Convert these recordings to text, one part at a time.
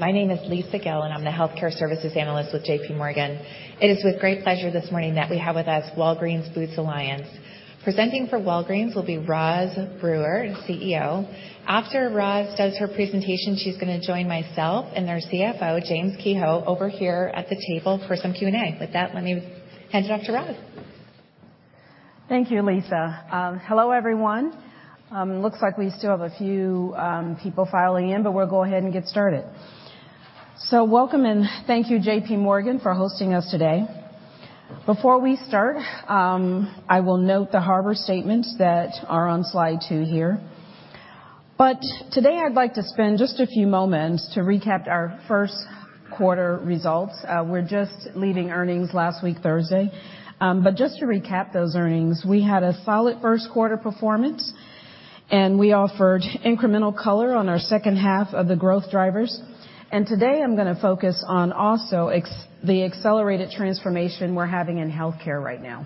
My name is Lisa Gill, and I'm the healthcare services analyst with JPMorgan. It is with great pleasure this morning that we have with us Walgreens Boots Alliance. Presenting for Walgreens will be Roz Brewer, CEO. After Roz does her presentation, she's gonna join myself and their CFO, James Kehoe, over here at the table for some Q&A. With that, let me hand it off to Roz. Thank you, Lisa. Hello, everyone. Looks like we still have a few people filing in, but we'll go ahead and get started. Welcome, and thank you, JPMorgan, for hosting us today. Before we start, I will note the harbor statements that are on slide two here. Today I'd like to spend just a few moments to recap our first quarter results. We're just leaving earnings last week, Thursday. Just to recap those earnings, we had a solid first quarter performance, and we offered incremental color on our second half of the growth drivers. Today I'm gonna focus on also the accelerated transformation we're having in healthcare right now.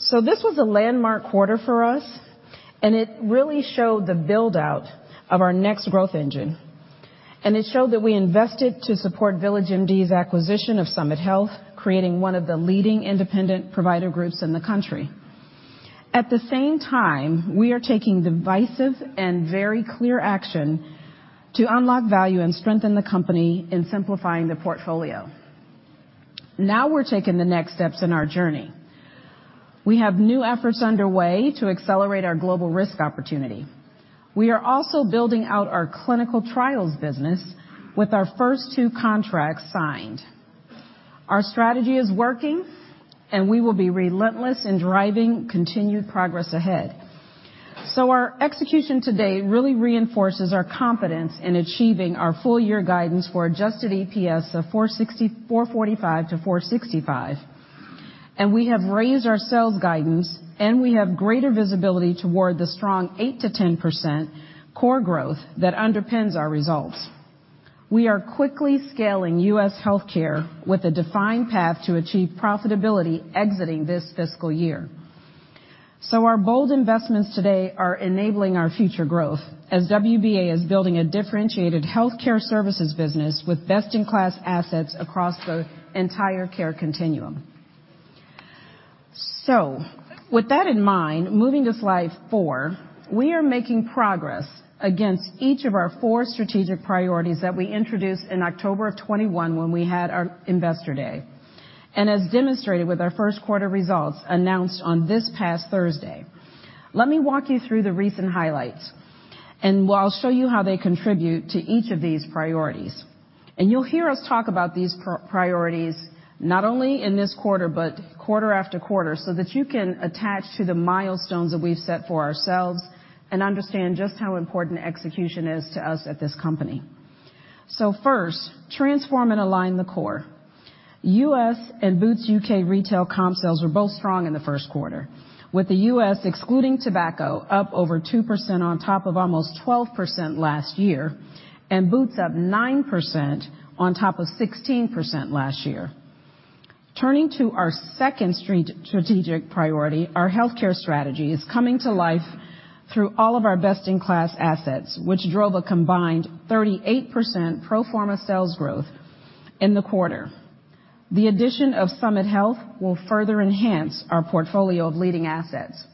This was a landmark quarter for us, and it really showed the build-out of our next growth engine. It showed that we invested to support VillageMD's acquisition of Summit Health, creating one of the leading independent provider groups in the country. At the same time, we are taking decisive and very clear action to unlock value and strengthen the company in simplifying the portfolio. We're taking the next steps in our journey. We have new efforts underway to accelerate our global risk opportunity. We are also building out our clinical trials business with our first two contracts signed. Our strategy is working, and we will be relentless in driving continued progress ahead. Our execution today really reinforces our confidence in achieving our full year guidance for adjusted EPS of $4.45-4.65. We have raised our sales guidance, and we have greater visibility toward the strong 8%-10% core growth that underpins our results. We are quickly scaling U.S. Healthcare with a defined path to achieve profitability exiting this fiscal year. Our bold investments today are enabling our future growth as WBA is building a differentiated healthcare services business with best-in-class assets across the entire care continuum. With that in mind, moving to slide four, we are making progress against each of our four strategic priorities that we introduced in October of 2021 when we had our investor day, and as demonstrated with our first quarter results announced on this past Thursday. Let me walk you through the recent highlights, and I'll show you how they contribute to each of these priorities. You'll hear us talk about these priorities not only in this quarter but quarter after quarter, so that you can attach to the milestones that we've set for ourselves and understand just how important execution is to us at this company. First, transform and align the core. U.S. and Boots UK retail comp sales were both strong in the first quarter, with the U.S., excluding tobacco, up over 2% on top of almost 12% last year, and Boots up 9% on top of 16% last year. Turning to our second strategic priority, our healthcare strategy is coming to life through all of our best-in-class assets, which drove a combined 38% pro forma sales growth in the quarter. The addition of Summit Health will further enhance our portfolio of leading assets.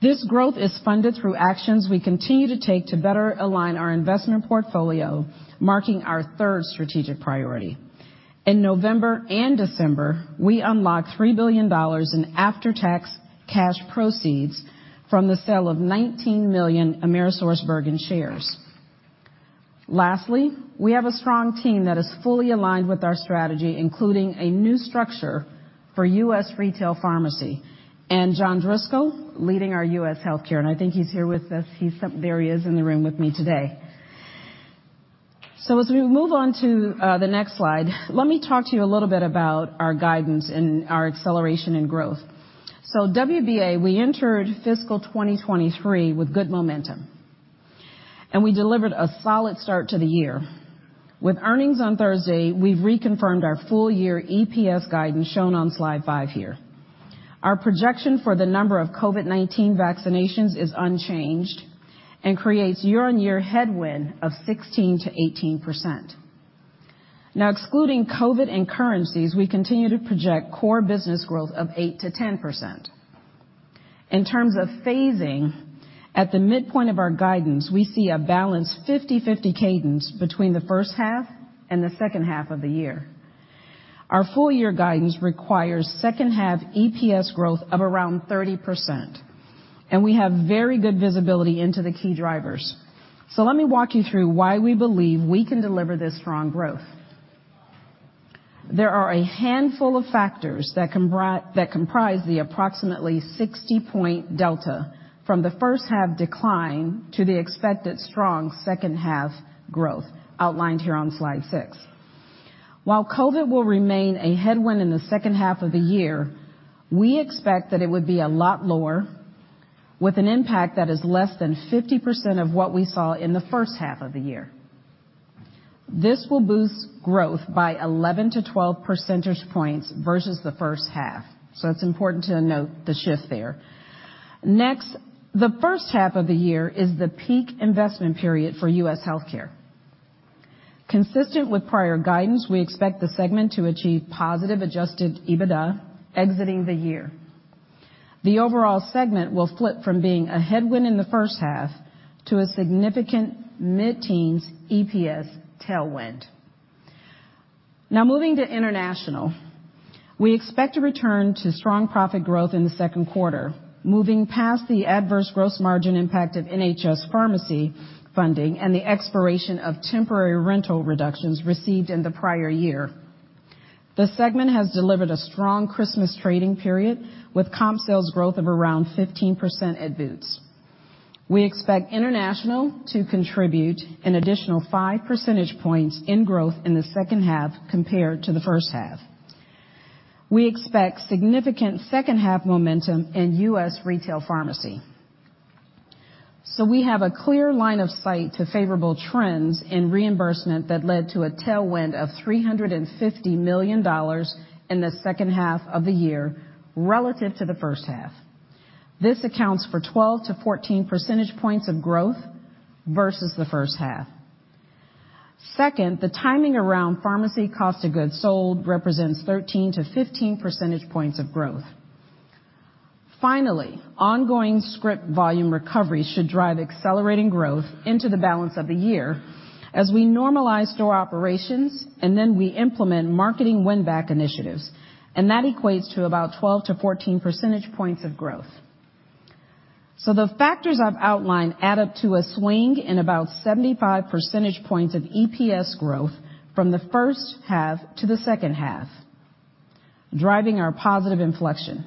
This growth is funded through actions we continue to take to better align our investment portfolio, marking our third strategic priority. In November and December, we unlocked $3 billion in after-tax cash proceeds from the sale of 19 million AmerisourceBergen shares. We have a strong team that is fully aligned with our strategy, including a new structure for U.S. retail pharmacy and John Driscoll leading our U.S. Healthcare, and I think he's here with us. There he is in the room with me today. As we move on to the next slide, let me talk to you a little bit about our guidance and our acceleration and growth. WBA, we entered fiscal 2023 with good momentum, and we delivered a solid start to the year. With earnings on Thursday, we reconfirmed our full year EPS guidance shown on slide five here. Our projection for the number of COVID-19 vaccinations is unchanged and creates year-on-year headwind of 16%-18%. Excluding COVID and currencies, we continue to project core business growth of 8%-10%. In terms of phasing, at the midpoint of our guidance, we see a balanced 50/50 cadence between the first half and the second half of the year. Our full year guidance requires second half EPS growth of around 30%, and we have very good visibility into the key drivers. Let me walk you through why we believe we can deliver this strong growth. There are a handful of factors that comprise the approximately 60-point delta from the first half decline to the expected strong second half growth outlined here on slide six. While COVID will remain a headwind in the second half of the year, we expect that it would be a lot lower, with an impact that is less than 50% of what we saw in the first half of the year. This will boost growth by 11 to 12 percentage points versus the first half. It's important to note the shift there. The first half of the year is the peak investment period for U.S. Healthcare. Consistent with prior guidance, we expect the segment to achieve positive adjusted EBITDA exiting the year. The overall segment will flip from being a headwind in the first half to a significant mid-teens EPS tailwind. Moving to International, we expect to return to strong profit growth in the second quarter, moving past the adverse gross margin impact of NHS pharmacy funding and the expiration of temporary rental reductions received in the prior year. The segment has delivered a strong Christmas trading period with comp sales growth of around 15% at Boots. We expect International to contribute an additional 5 percentage points in growth in the second half compared to the first half. We expect significant second half momentum in U.S. Retail Pharmacy. We have a clear line of sight to favorable trends in reimbursement that led to a tailwind of $350 million in the second half of the year relative to the first half. This accounts for 12 to 14 percentage points of growth versus the first half. The timing around pharmacy cost of goods sold represents 13-15 percentage points of growth. Ongoing script volume recovery should drive accelerating growth into the balance of the year as we normalize store operations and then we implement marketing win-back initiatives, and that equates to about 12-14 percentage points of growth. The factors I've outlined add up to a swing in about 75 percentage points of EPS growth from the first half to the second half, driving our positive inflection.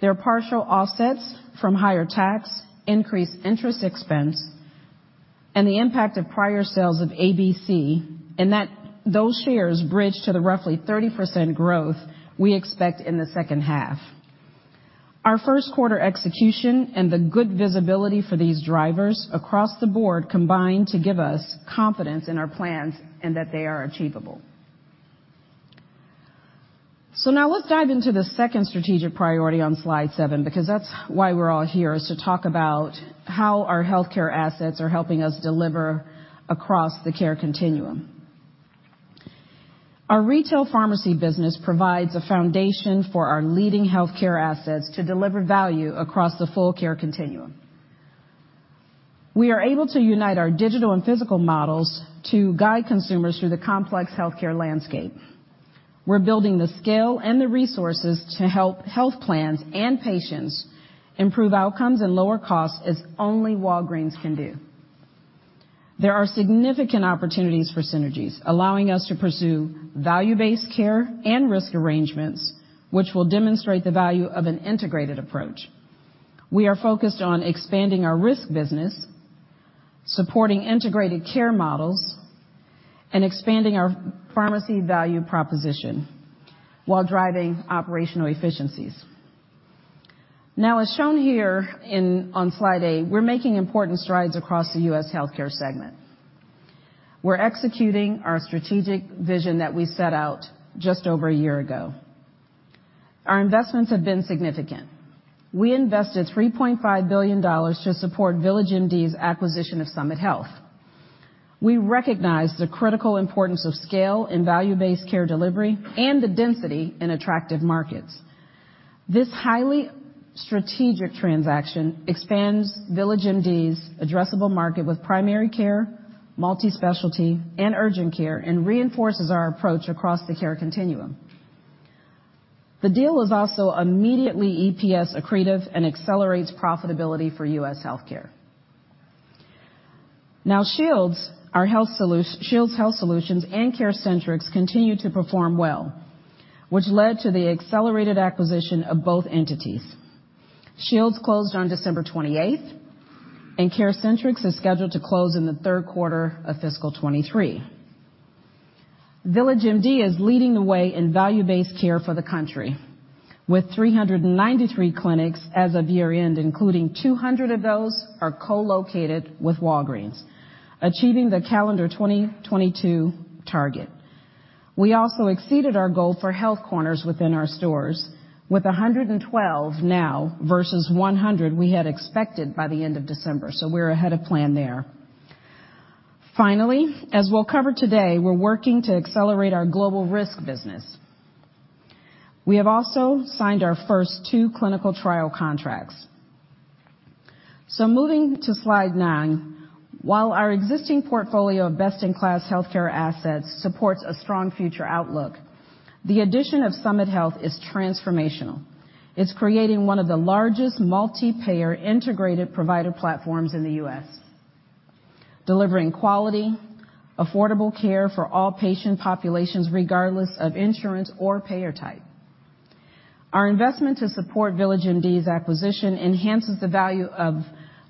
There are partial offsets from higher tax, increased interest expense, and the impact of prior sales of ABC, those shares bridge to the roughly 30% growth we expect in the second half. Our first quarter execution and the good visibility for these drivers across the board combine to give us confidence in our plans and that they are achievable. Now let's dive into the second strategic priority on slide seven, because that's why we're all here, is to talk about how our healthcare assets are helping us deliver across the care continuum. Our Retail Pharmacy business provides a foundation for our leading healthcare assets to deliver value across the full care continuum. We are able to unite our digital and physical models to guide consumers through the complex healthcare landscape. We're building the scale and the resources to help health plans and patients improve outcomes and lower costs as only Walgreens can do. There are significant opportunities for synergies, allowing us to pursue value-based care and risk arrangements which will demonstrate the value of an integrated approach. We are focused on expanding our risk business, supporting integrated care models, and expanding our pharmacy value proposition while driving operational efficiencies. Now, as shown here on slide eight, we're making important strides across the U.S. Healthcare segment. We're executing our strategic vision that we set out just over a year ago. Our investments have been significant. We invested $3.5 billion to support VillageMD's acquisition of Summit Health. We recognize the critical importance of scale in value-based care delivery and the density in attractive markets. This highly strategic transaction expands VillageMD's addressable market with primary care, multi-specialty, and urgent care, and reinforces our approach across the care continuum. The deal is also immediately EPS accretive and accelerates profitability for U.S. Healthcare. Now Shields Health Solutions and CareCentrix continue to perform well, which led to the accelerated acquisition of both entities. Shields closed on December twenty-eighth, and CareCentrix is scheduled to close in the third quarter of fiscal 2023. VillageMD is leading the way in value-based care for the country, with 393 clinics as of year-end, including 200 of those are co-located with Walgreens, achieving the calendar 2022 target. We also exceeded our goal for Health Corners within our stores, with 112 now versus 100 we had expected by the end of December. We're ahead of plan there. Finally, as we'll cover today, we're working to accelerate our global risk business. We have also signed our first two clinical trial contracts. Moving to slide 9, while our existing portfolio of best-in-class healthcare assets supports a strong future outlook, the addition of Summit Health is transformational. It's creating one of the largest multi-payer integrated provider platforms in the U.S., delivering quality, affordable care for all patient populations, regardless of insurance or payer type. Our investment to support VillageMD's acquisition enhances the value of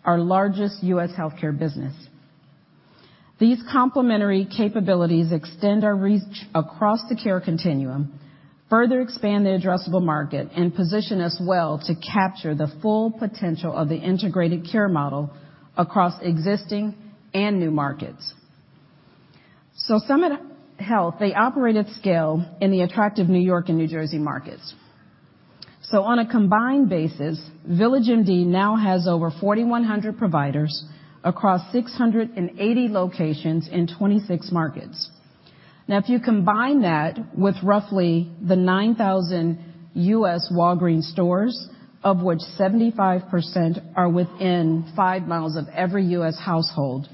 our largest U.S. healthcare business. These complementary capabilities extend our reach across the care continuum. Further expand the addressable market and position us well to capture the full potential of the integrated care model across existing and new markets. Summit Health, they operate at scale in the attractive New York and New Jersey markets. On a combined basis, VillageMD now has over 4,100 providers across 680 locations in 26 markets. Now, if you combine that with roughly the 9,000 U.S. Walgreens stores, of which 75% are within 5 miles of every U.S. household,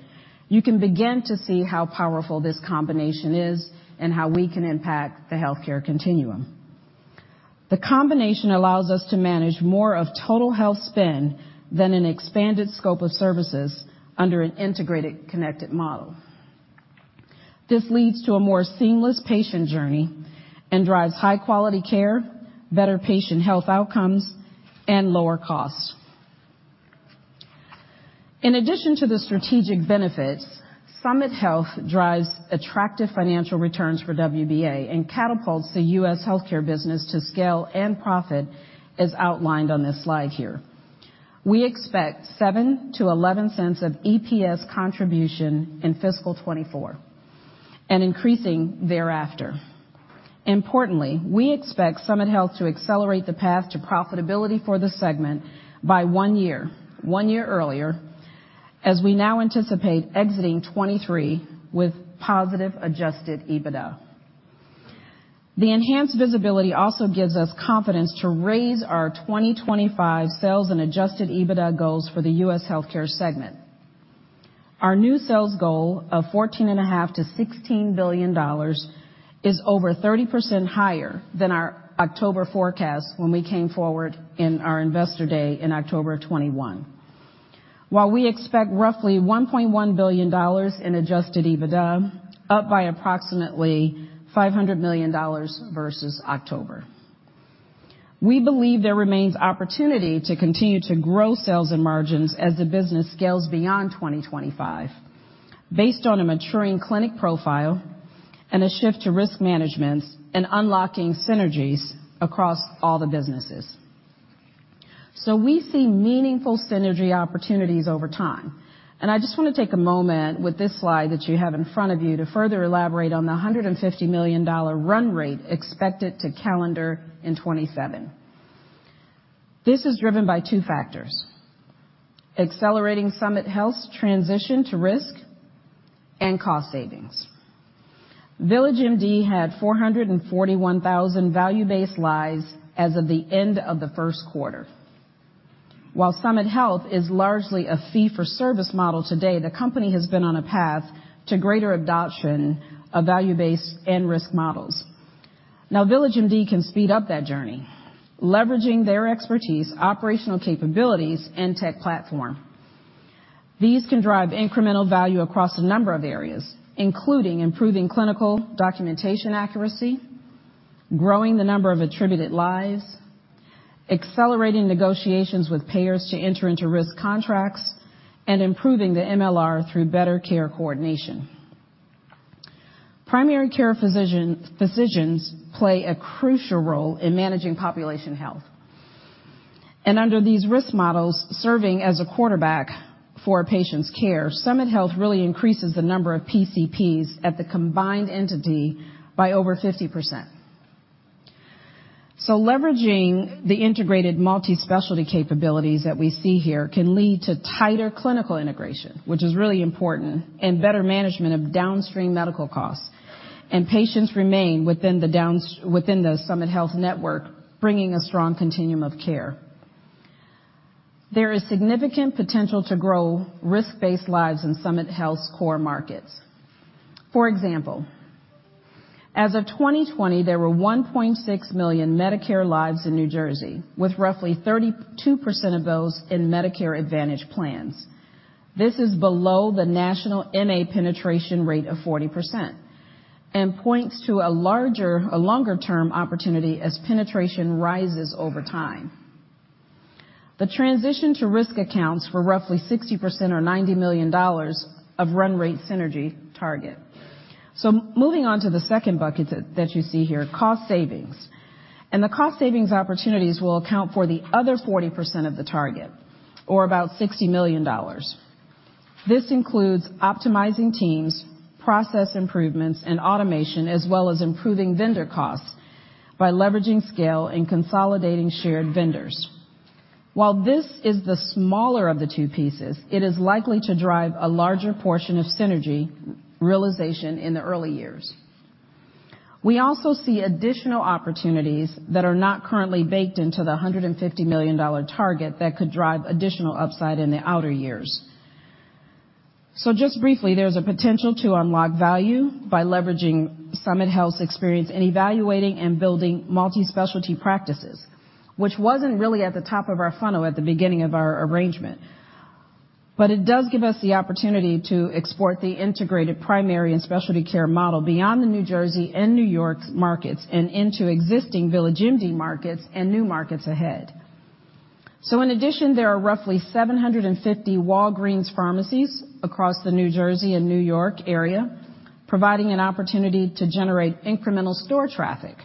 you can begin to see how powerful this combination is and how we can impact the healthcare continuum. The combination allows us to manage more of total health spend than an expanded scope of services under an integrated connected model. This leads to a more seamless patient journey and drives high-quality care, better patient health outcomes, and lower costs. In addition to the strategic benefits, Summit Health drives attractive financial returns for WBA and catapults the U.S. healthcare business to scale and profit as outlined on this slide here. We expect $0.07-0.11 of EPS contribution in fiscal 2024 and increasing thereafter. Importantly, we expect Summit Health to accelerate the path to profitability for the segment by one year earlier, as we now anticipate exiting 2023 with positive adjusted EBITDA. The enhanced visibility also gives us confidence to raise our 2025 sales and adjusted EBITDA goals for the U.S. healthcare segment. Our new sales goal of fourteen and a half to sixteen billion dollars is over 30% higher than our October forecast when we came forward in our investor day in October of 2021. While we expect roughly $1.1 billion in adjusted EBITDA, up by approximately $500 million versus October. We believe there remains opportunity to continue to grow sales and margins as the business scales beyond 2025 based on a maturing clinic profile and a shift to risk management and unlocking synergies across all the businesses. We see meaningful synergy opportunities over time. I just want to take a moment with this slide that you have in front of you to further elaborate on the $150 million run rate expected to calendar in 2027. This is driven by two factors: accelerating Summit Health's transition to risk and cost savings. VillageMD had 441,000 value-based lives as of the end of the first quarter. While Summit Health is largely a fee-for-service model today, the company has been on a path to greater adoption of value-based and risk models. VillageMD can speed up that journey, leveraging their expertise, operational capabilities, and tech platform. These can drive incremental value across a number of areas, including improving clinical documentation accuracy, growing the number of attributed lives, accelerating negotiations with payers to enter into risk contracts, and improving the MLR through better care coordination. Primary care physicians play a crucial role in managing population health. Under these risk models, serving as a quarterback for a patient's care, Summit Health really increases the number of PCPs at the combined entity by over 50%. Leveraging the integrated multi-specialty capabilities that we see here can lead to tighter clinical integration, which is really important, and better management of downstream medical costs. Patients remain within the Summit Health network, bringing a strong continuum of care. There is significant potential to grow risk-based lives in Summit Health's core markets. For example, as of 2020, there were 1.6 million Medicare lives in New Jersey, with roughly 32% of those in Medicare Advantage plans. This is below the national MA penetration rate of 40% and points to a longer-term opportunity as penetration rises over time. The transition to risk accounts for roughly 60% or $90 million of run rate synergy target. Moving on to the second bucket that you see here, cost savings. The cost savings opportunities will account for the other 40% of the target or about $60 million. This includes optimizing teams, process improvements and automation, as well as improving vendor costs by leveraging scale and consolidating shared vendors. While this is the smaller of the two pieces, it is likely to drive a larger portion of synergy realization in the early years. We also see additional opportunities that are not currently baked into the $150 million target that could drive additional upside in the outer years. Just briefly, there's a potential to unlock value by leveraging Summit Health's experience in evaluating and building multi-specialty practices, which wasn't really at the top of our funnel at the beginning of our arrangement. It does give us the opportunity to export the integrated primary and specialty care model beyond the New Jersey and New York markets and into existing VillageMD markets and new markets ahead. In addition, there are roughly 750 Walgreens pharmacies across the New Jersey and New York area, providing an opportunity to generate incremental store traffic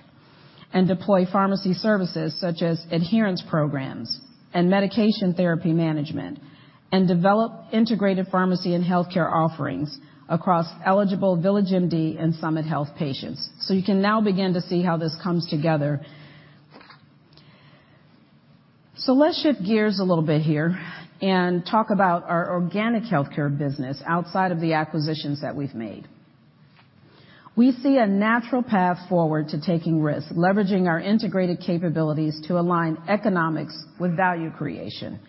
and deploy pharmacy services such as adherence programs and medication therapy management, and develop integrated pharmacy and healthcare offerings across eligible VillageMD and Summit Health patients. You can now begin to see how this comes together. Let's shift gears a little bit here and talk about our organic healthcare business outside of the acquisitions that we've made. We see a natural path forward to taking risks, leveraging our integrated capabilities to align economics with value creation,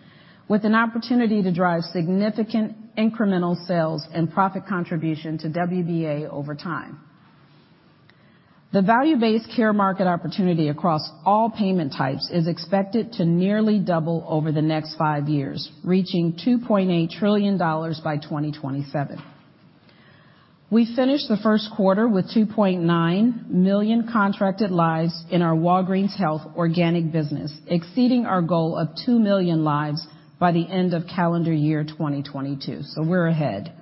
with an opportunity to drive significant incremental sales and profit contribution to WBA over time. The value-based care market opportunity across all payment types is expected to nearly double over the next five years, reaching $2.8 trillion by 2027. We finished the first quarter with 2.9 million contracted lives in our Walgreens Health organic business, exceeding our goal of 2 million lives by the end of calendar year 2022. We're ahead.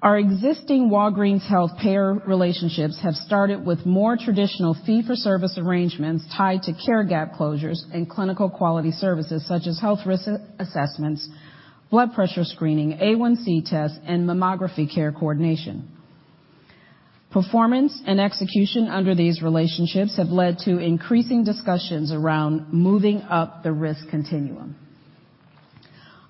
Our existing Walgreens Health payer relationships have started with more traditional fee-for-service arrangements tied to care gap closures and clinical quality services such as health risk assessments, blood pressure screening, A1C tests, and mammography care coordination. Performance and execution under these relationships have led to increasing discussions around moving up the risk continuum.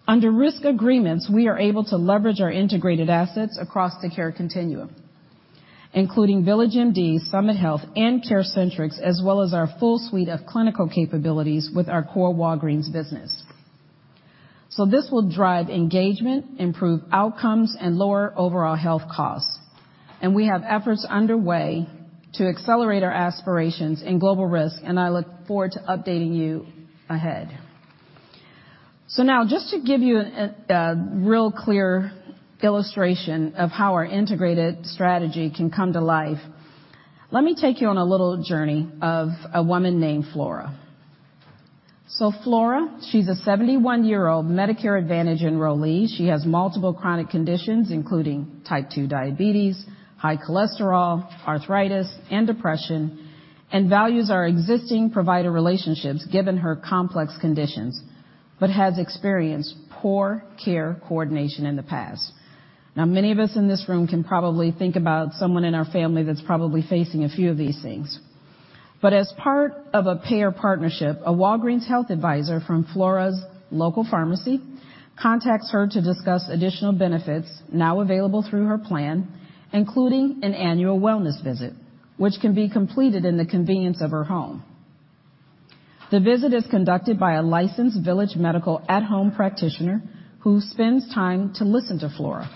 Under risk agreements, we are able to leverage our integrated assets across the care continuum, including VillageMD, Summit Health, and CareCentrix, as well as our full suite of clinical capabilities with our core Walgreens business. This will drive engagement, improve outcomes, and lower overall health costs. We have efforts underway to accelerate our aspirations in global risk, and I look forward to updating you ahead. Now, just to give you a real clear illustration of how our integrated strategy can come to life, let me take you on a little journey of a woman named Flora. Flora, she's a 71-year-old Medicare Advantage enrollee. She has multiple chronic conditions, including type two diabetes, high cholesterol, arthritis, and depression, and values our existing provider relationships given her complex conditions, but has experienced poor care coordination in the past. Many of us in this room can probably think about someone in our family that's probably facing a few of these things. As part of a payer partnership, a Walgreens health advisor from Flora's local pharmacy contacts her to discuss additional benefits now available through her plan, including an annual wellness visit, which can be completed in the convenience of her home. The visit is conducted by a licensed Village Medical at-home practitioner who spends time to listen to Flora,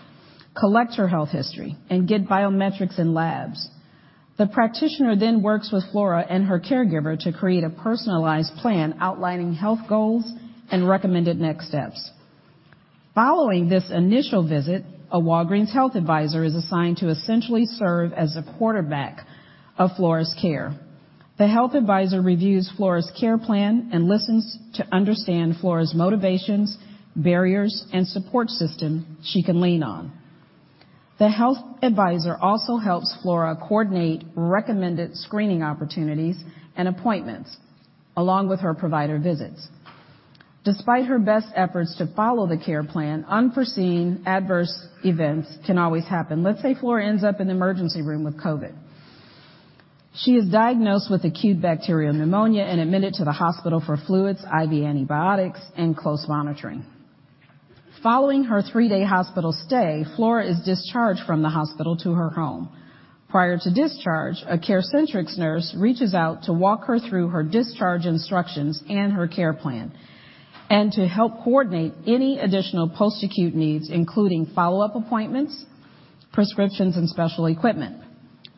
collect her health history, and get biometrics in labs. The practitioner then works with Flora and her caregiver to create a personalized plan outlining health goals and recommended next steps. Following this initial visit, a Walgreens health advisor is assigned to essentially serve as the quarterback of Flora's care. The health advisor reviews Flora's care plan and listens to understand Flora's motivations, barriers, and support system she can lean on. The health advisor also helps Flora coordinate recommended screening opportunities and appointments along with her provider visits. Despite her best efforts to follow the care plan, unforeseen adverse events can always happen. Let's say Flora ends up in the emergency room with COVID. She is diagnosed with acute bacterial pneumonia and admitted to the hospital for fluids, IV antibiotics, and close monitoring. Following her three-day hospital stay, Flora is discharged from the hospital to her home. Prior to discharge, a CareCentrix nurse reaches out to walk her through her discharge instructions and her care plan, and to help coordinate any additional post-acute needs, including follow-up appointments, prescriptions, and special equipment.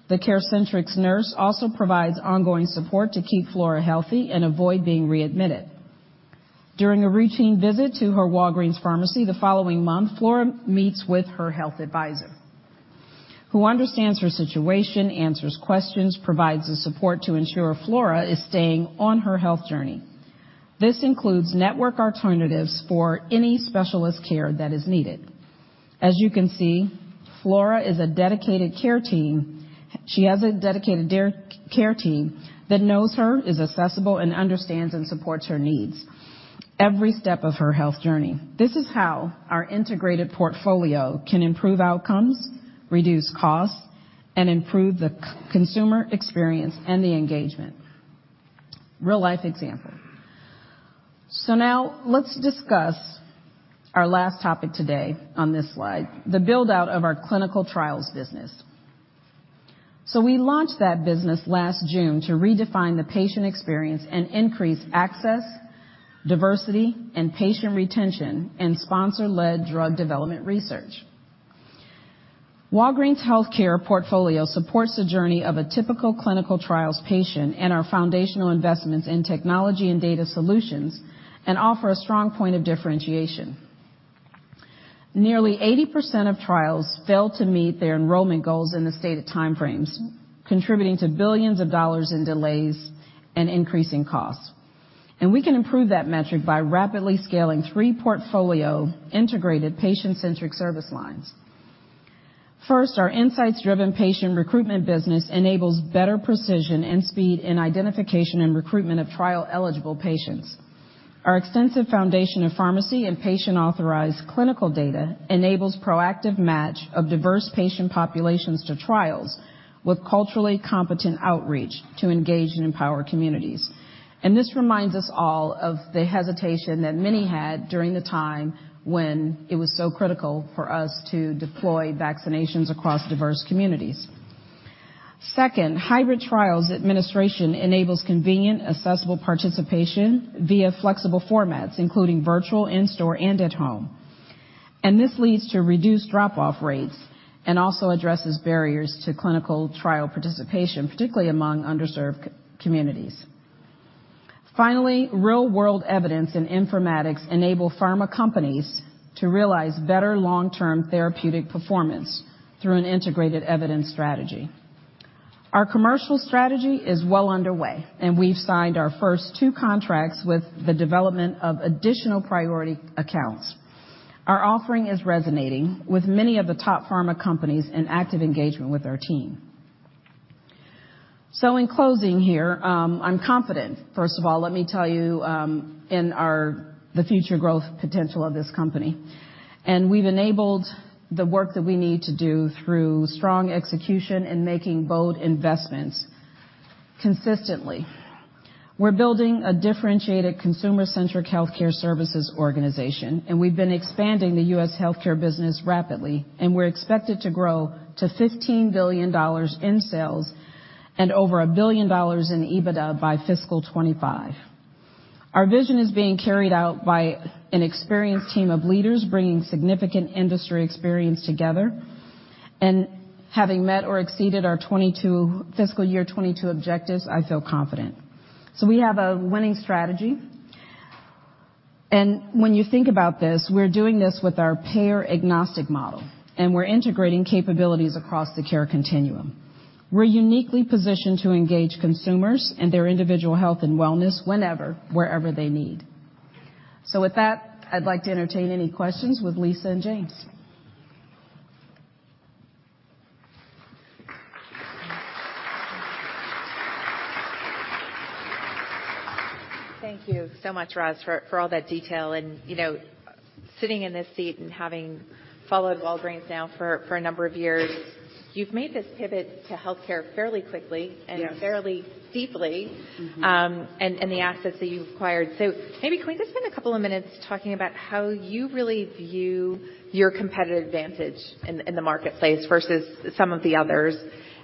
The CareCentrix nurse also provides ongoing support to keep Flora healthy and avoid being readmitted. During a routine visit to her Walgreens pharmacy the following month, Flora meets with her health advisor, who understands her situation, answers questions, provides the support to ensure Flora is staying on her health journey. This includes network alternatives for any specialist care that is needed. As you can see, Flora is a dedicated care team. She has a dedicated care team that knows her, is accessible, and understands and supports her needs every step of her health journey. This is how our integrated portfolio can improve outcomes, reduce costs, and improve the consumer experience and the engagement. Real-life example. Now let's discuss our last topic today on this slide, the build-out of our clinical trials business. We launched that business last June to redefine the patient experience and increase access, diversity, and patient retention in sponsor-led drug development research. Walgreens Health portfolio supports the journey of a typical clinical trials patient and our foundational investments in technology and data solutions and offer a strong point of differentiation. Nearly 80% of trials fail to meet their enrollment goals in the stated time frames, contributing to $ billions in delays and increasing costs. We can improve that metric by rapidly scaling three portfolio integrated patient-centric service lines. First, our insights-driven patient recruitment business enables better precision and speed in identification and recruitment of trial-eligible patients. Our extensive foundation of pharmacy and patient-authorized clinical data enables proactive match of diverse patient populations to trials with culturally competent outreach to engage and empower communities. This reminds us all of the hesitation that many had during the time when it was so critical for us to deploy vaccinations across diverse communities. Second, hybrid trials administration enables convenient, accessible participation via flexible formats, including virtual, in-store, and at home. This leads to reduced drop-off rates and also addresses barriers to clinical trial participation, particularly among underserved communities. Finally, real-world evidence and informatics enable pharma companies to realize better long-term therapeutic performance through an integrated evidence strategy. Our commercial strategy is well underway, and we've signed our first 2 contracts with the development of additional priority accounts. Our offering is resonating with many of the top pharma companies in active engagement with our team. In closing here, I'm confident, first of all, let me tell you, in the future growth potential of this company. We've enabled the work that we need to do through strong execution and making bold investments consistently. We're building a differentiated consumer-centric healthcare services organization, and we've been expanding the U.S. Healthcare business rapidly, and we're expected to grow to $15 billion in sales and over $1 billion in EBITDA by fiscal 2025. Our vision is being carried out by an experienced team of leaders, bringing significant industry experience together. Having met or exceeded our fiscal year 2022 objectives, I feel confident. We have a winning strategy. When you think about this, we're doing this with our payer-agnostic model, and we're integrating capabilities across the care continuum. We're uniquely positioned to engage consumers and their individual health and wellness whenever, wherever they need. With that, I'd like to entertain any questions with Lisa and James. Thank you so much, Roz, for all that detail. You know, sitting in this seat and having followed Walgreens now for a number of years, you've made this pivot to healthcare fairly quickly. Yes. Fairly deeply, and the assets that you've acquired. Maybe can we just spend a couple of minutes talking about how you really view your competitive advantage in the marketplace versus some of the others.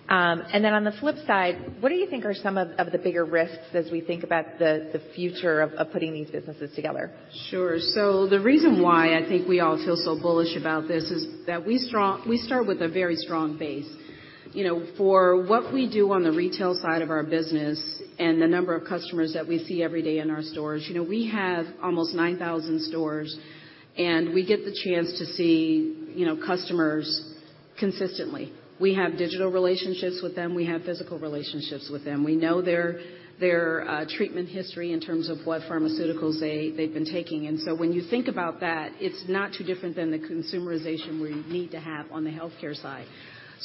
Then on the flip side, what do you think are some of the bigger risks as we think about the future of putting these businesses together? The reason why I think we all feel so bullish about this is that we start with a very strong base. You know, for what we do on the retail side of our business and the number of customers that we see every day in our stores, you know, we have almost 9,000 stores, and we get the chance to see, you know, customers consistently. We have digital relationships with them. We have physical relationships with them. We know their treatment history in terms of what pharmaceuticals they've been taking. When you think about that, it's not too different than the consumerization we need to have on the healthcare side.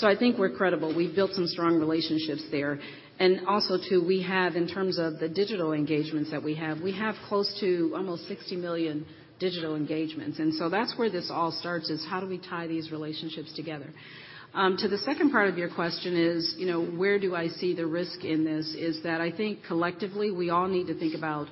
I think we're credible. We've built some strong relationships there. Also, too, we have, in terms of the digital engagements that we have, we have close to almost 60 million digital engagements. That's where this all starts, is how do we tie these relationships together? To the second part of your question is, you know, where do I see the risk in this? Is that I think collectively, we all need to think about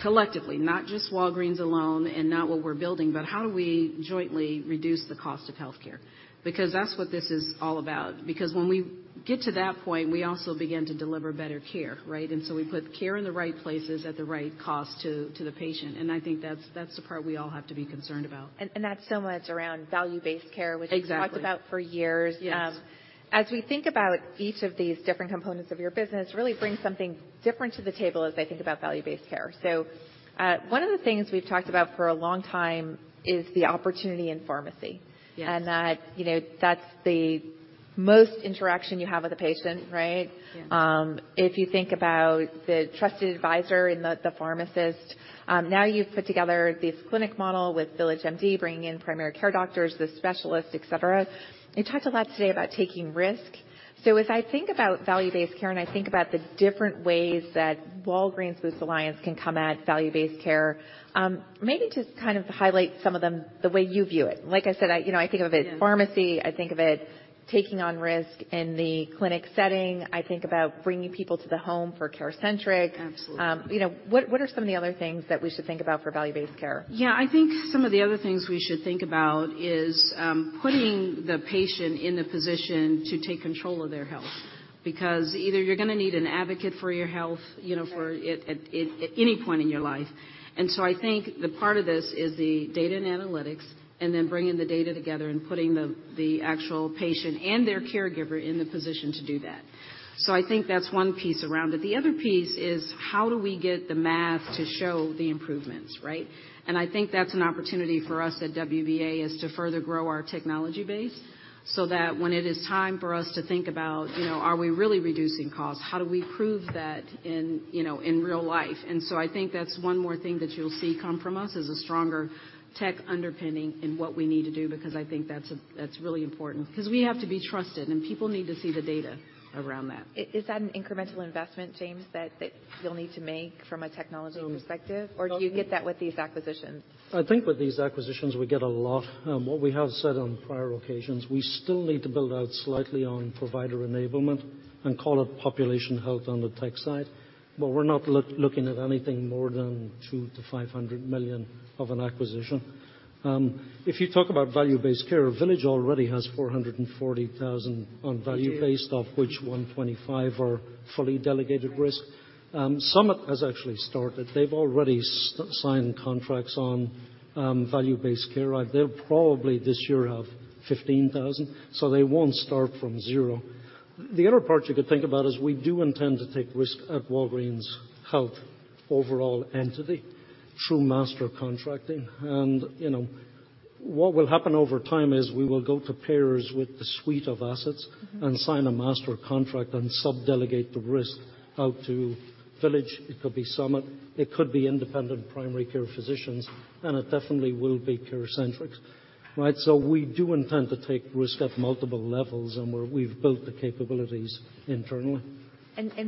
collectively, not just Walgreens alone and not what we're building, but how do we jointly reduce the cost of healthcare? Because that's what this is all about. Because when we get to that point, we also begin to deliver better care, right? We put care in the right places at the right cost to the patient. I think that's the part we all have to be concerned about. That's so much around value-based care. Exactly. Which we've talked about for years. Yes. As we think about each of these different components of your business, really brings something different to the table as I think about value-based care. One of the things we've talked about for a long time is the opportunity in pharmacy. Yes. That, you know, that's the most interaction you have with a patient, right? Yes. If you think about the trusted advisor in the pharmacist, now you've put together this clinic model with VillageMD bringing in primary care doctors, the specialists, et cetera. You talked a lot today about taking risk. As I think about value-based care, and I think about the different ways that Walgreens Boots Alliance can come at value-based care, maybe just kind of highlight some of them the way you view it. Like I said, I, you know, I think of it pharmacy. Yeah. I think of it taking on risk in the clinic setting. I think about bringing people to the home for CareCentrix. Absolutely. you know, what are some of the other things that we should think about for value-based care? Yeah. I think some of the other things we should think about is, putting the patient in the position to take control of their health. Either you're gonna need an advocate for your health, you know. Right. for it at any point in your life. I think the part of this is the data and analytics and then bringing the data together and putting the actual patient and their caregiver in the position to do that. I think that's one piece around it. The other piece is how do we get the math to show the improvements, right? I think that's an opportunity for us at WBA is to further grow our technology base so that when it is time for us to think about, you know, are we really reducing costs, how do we prove that in, you know, in real life? I think that's one more thing that you'll see come from us, is a stronger tech underpinning in what we need to do, because I think that's really important. We have to be trusted, and people need to see the data around that. Is that an incremental investment, James, that you'll need to make from a technology perspective? Or do you get that with these acquisitions? I think with these acquisitions, we get a lot. What we have said on prior occasions, we still need to build out slightly on provider enablement and call it population health on the tech side, but we're not looking at anything more than $200 million-500 million of an acquisition. If you talk about value-based care, Village already has 440,000 on value based, of which 125 are fully delegated risk. Summit has actually started. They've already signed contracts on value-based care. They'll probably this year have 15,000, so they won't start from zero. The other part you could think about is we do intend to take risk at Walgreens Health overall entity through master contracting, you know. What will happen over time is we will go to payers with the suite of assets and sign a master contract and sub-delegate the risk out to Village. It could be Summit, it could be independent primary care physicians, and it definitely will be CareCentrix. Right? We do intend to take risk at multiple levels and where we've built the capabilities internally.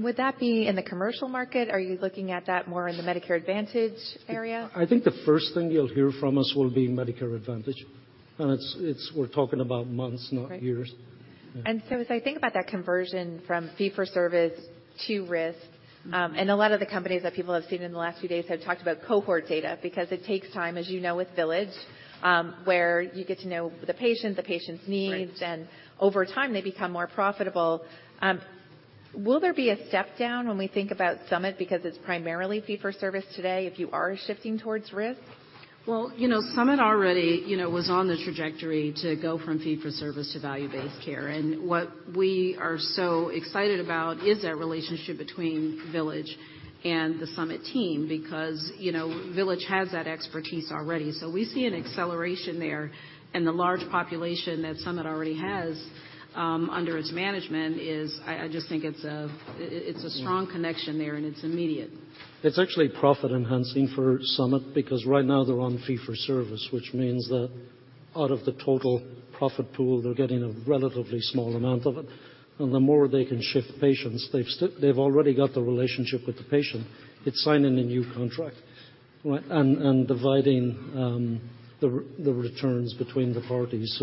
Would that be in the commercial market? Are you looking at that more in the Medicare Advantage area? I think the first thing you'll hear from us will be Medicare Advantage. It's, we're talking about months, not years. Right. As I think about that conversion from fee-for-service to risk, and a lot of the companies that people have seen in the last few days have talked about cohort data because it takes time, as you know, with Village, where you get to know the patient, the patient's needs. Right. Over time, they become more profitable. Will there be a step down when we think about Summit because it's primarily fee-for-service today if you are shifting towards risk? Well, you know, Summit already, you know, was on the trajectory to go from fee-for-service to value-based care. What we are so excited about is that relationship between Village and the Summit team because, you know, Village has that expertise already. We see an acceleration there. The large population that Summit already has under its management, it's a strong connection there, and it's immediate. It's actually profit-enhancing for Summit because right now they're on fee-for-service, which means that out of the total profit pool, they're getting a relatively small amount of it. The more they can shift patients, they've already got the relationship with the patient. It's signing a new contract, right, and dividing the returns between the parties.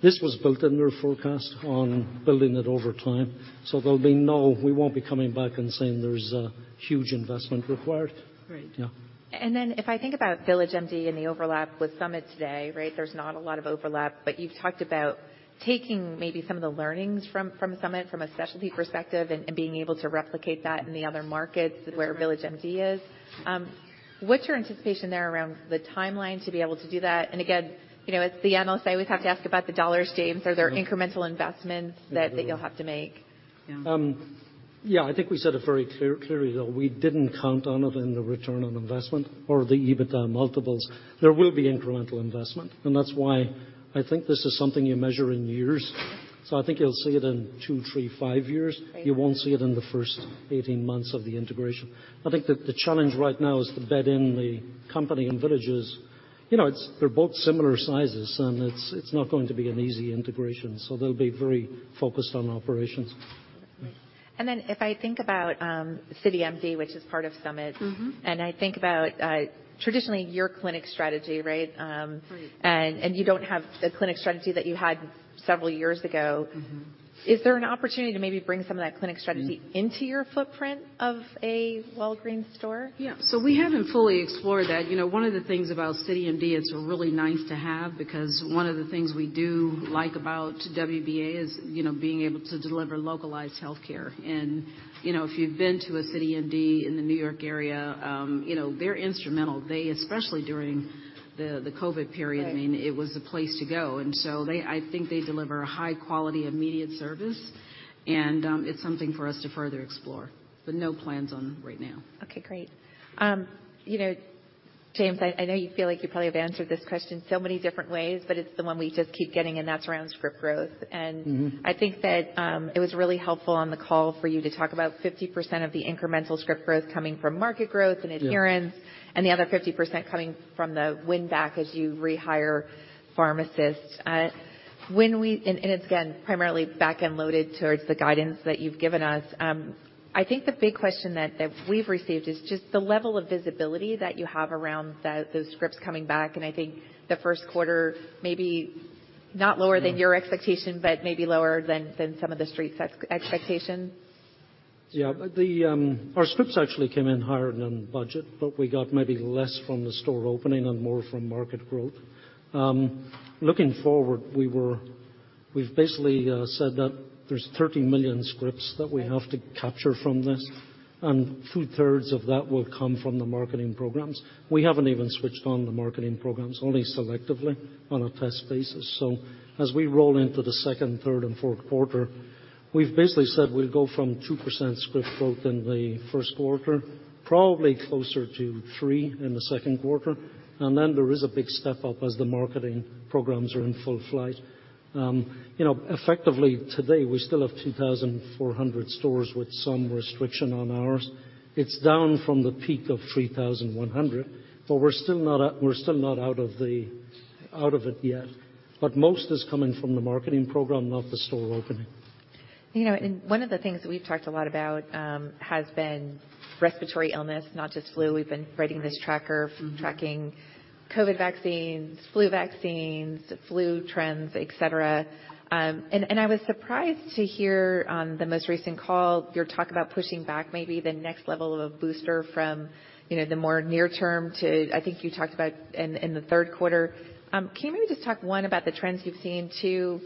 This was built in their forecast on building it over time. We won't be coming back and saying there's a huge investment required. Right. Yeah. If I think about VillageMD and the overlap with Summit today, right, there's not a lot of overlap. You've talked about taking maybe some of the learnings from Summit from a specialty perspective and being able to replicate that in the other markets where VillageMD is. What's your anticipation there around the timeline to be able to do that? Again, you know, as the analyst, I always have to ask about the dollar stakes. Are there incremental investments that you'll have to make? Yeah. Yeah, I think we said it very clearly, though. We didn't count on it in the ROI or the EBITDA multiples. There will be incremental investment. That's why I think this is something you measure in years. I think you'll see it in two, three, five years. Right. You won't see it in the first 18 months of the integration. I think that the challenge right now is to bed in the company and VillageMD. You know, they're both similar sizes, and it's not going to be an easy integration. They'll be very focused on operations. if I think about, CityMD, which is part of Summit. I think about, traditionally your clinic strategy, right? Right. You don't have the clinic strategy that you had several years ago. Is there an opportunity to maybe bring some of that clinic strategy into your footprint of a Walgreens store? Yeah. We haven't fully explored that. You know, one of the things about CityMD, it's really nice to have because one of the things we do like about WBA is, you know, being able to deliver localized healthcare. You know, if you've been to a CityMD in the New York area, you know, they're instrumental. Especially during the COVID period. Right I mean, it was the place to go. I think they deliver a high quality of median service and it's something for us to further explore, but no plans on right now. Okay, great. you know, James, I know you feel like you probably have answered this question so many different ways, but it's the one we just keep getting, and that's around script growth. I think that, it was really helpful on the call for you to talk about 50% of the incremental script growth coming from market growth and adherence. Yeah And the other 50% coming from the win back as you rehire pharmacists. It's again, primarily back-end loaded towards the guidance that you've given us. I think the big question that we've received is just the level of visibility that you have around the scripts coming back, I think the first quarter, maybe not lower than your expectation, but maybe lower than some of the street expectation. Yeah. Our scripts actually came in higher than budget, but we got maybe less from the store opening and more from market growth. Looking forward, we've basically said that there's 30 million scripts that we have to capture from this, and 2/3 of that will come from the marketing programs. We haven't even switched on the marketing programs, only selectively on a test basis. As we roll into the second, third, and fourth quarter, we've basically said we'll go from 2% script growth in the first quarter, probably closer to 3% in the second quarter. Then there is a big step up as the marketing programs are in full flight. you know, effectively today we still have 2,400 stores with some restriction on hours. It's down from the peak of $3,100, but we're still not out of it yet. Most is coming from the marketing program, not the store opening. You know, one of the things we've talked a lot about, has been respiratory illness, not just flu. We've been writing this tracking COVID vaccines, flu vaccines, flu trends, et cetera. I was surprised to hear on the most recent call, your talk about pushing back maybe the next level of a booster from, you know, the more near term to, I think you talked about in the third quarter. Can you maybe just talk, 1, about the trends you've seen? 2,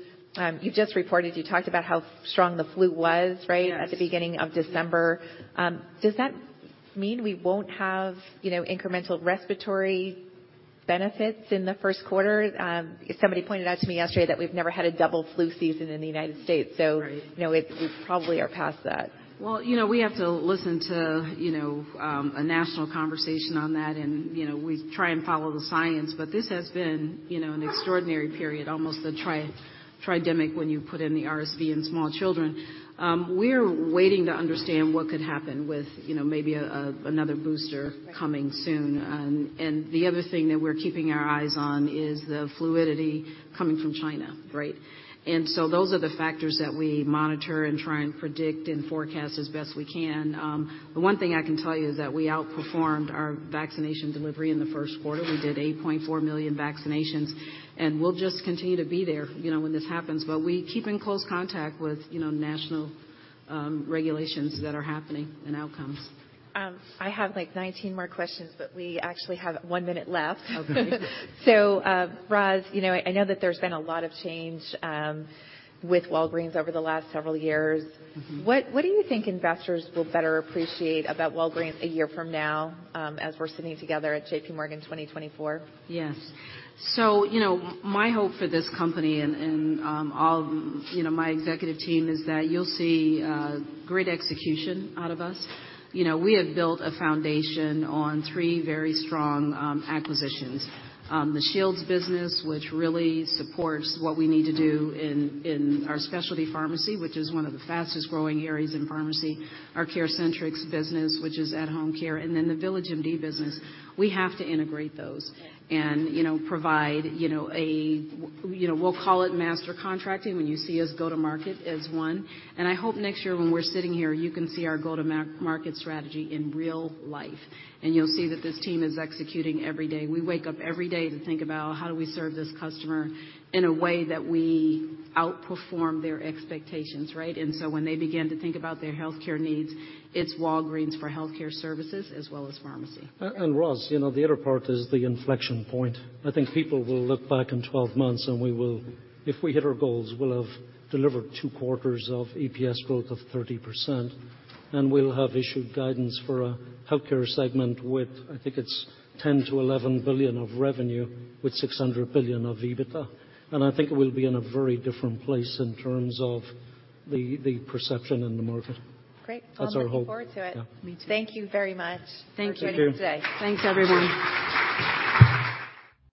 you just reported, you talked about how strong the flu was. Yes At the beginning of December. Does that mean we won't have, you know, incremental respiratory benefits in the first quarter. Somebody pointed out to me yesterday that we've never had a double flu season in the United States. Right. You know, we probably are past that. Well, you know, we have to listen to, you know, a national conversation on that and, you know, we try and follow the science, but this has been, you know, an extraordinary period, almost a tridemic when you put in the RSV in small children. We're waiting to understand what could happen with, you know, maybe another booster coming soon. The other thing that we're keeping our eyes on is the fluidity coming from China, right? Those are the factors that we monitor and try and predict and forecast as best we can. The one thing I can tell you is that we outperformed our vaccination delivery in the first quarter. We did 8.4 million vaccinations, and we'll just continue to be there, you know, when this happens. We keep in close contact with, you know, national regulations that are happening and outcomes. I have like 19 more questions, but we actually have one minute left. Okay. Roz, you know, I know that there's been a lot of change with Walgreens over the last several years. What do you think investors will better appreciate about Walgreens a year from now, as we're sitting together at JPMorgan 2024? Yes. you know, my hope for this company and, all, you know, my executive team is that you'll see great execution out of us. You know, we have built a foundation on three very strong acquisitions. The Shields business, which really supports what we need to do in our specialty pharmacy, which is one of the fastest-growing areas in pharmacy. Our CareCentrix business, which is at-home care, and then the VillageMD business. We have to integrate those. Yes. you know, provide, you know, we'll call it master contracting when you see us go to market as one. I hope next year when we're sitting here, you can see our go-to-market strategy in real life, and you'll see that this team is executing every day. We wake up every day to think about how do we serve this customer in a way that we outperform their expectations, right? When they begin to think about their healthcare needs, it's Walgreens for healthcare services as well as pharmacy. Roz, you know, the other part is the inflection point. I think people will look back in 12 months and we will, if we hit our goals, we'll have delivered two quarters of EPS growth of 30%, and we'll have issued guidance for a healthcare segment with, I think it's $10 billion-11 billion of revenue with $600 million of EBITDA. I think we'll be in a very different place in terms of the perception in the market. Great. That's our hope. Well, I'm looking forward to it. Yeah. Me too. Thank you very much. Thank you. Thank you. For joining today. Thanks, everyone.